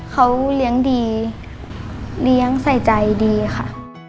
เขาเลี้ยงดีเลี้ยงใส่ใจดีค่ะ